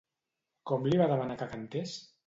Com li va demanar que cantés?